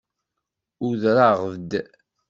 Udreɣ-d.